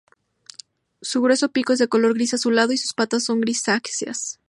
Su grueso pico es de color gris azulado y sus patas son grisáceas.